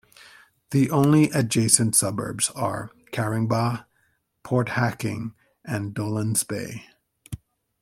The only adjacent suburbs are Caringbah, Port Hacking and Dolans Bay.